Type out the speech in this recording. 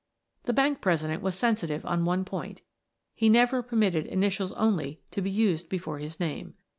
The bank president was sensitive on one point; he never permitted initials only to be used before his name.